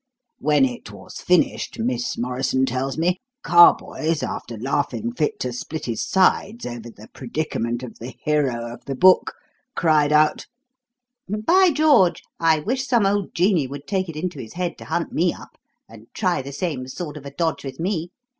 When it was finished Miss Morrison tells me, Carboys, after laughing fit to split his sides over the predicament of the hero of the book, cried out: 'By George! I wish some old genie would take it into his head to hunt me up, and try the same sort of a dodge with me.